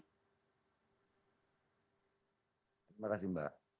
terima kasih mbak